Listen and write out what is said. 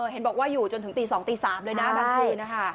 เห็นบอกว่าอยู่จนถึงตี๒ตี๓เลยนะบางคืนนะคะ